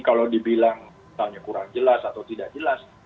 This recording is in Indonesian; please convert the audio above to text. kalau dibilang misalnya kurang jelas atau tidak jelas